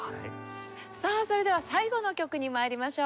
さあそれでは最後の曲に参りましょう。